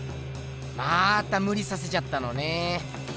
またむりさせちゃったのね。